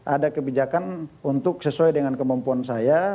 ada kebijakan untuk sesuai dengan kemampuan saya